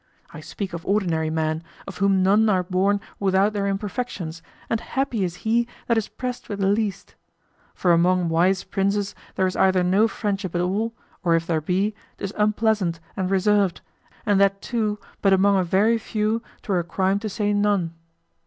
I speak of ordinary men, of whom none are born without their imperfections, and happy is he that is pressed with the least: for among wise princes there is either no friendship at all, or if there be, 'tis unpleasant and reserved, and that too but among a very few 'twere a crime to say none.